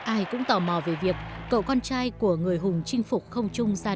ai cũng tò mò về việc cậu con trai của người hùng chinh phục không chung ra đời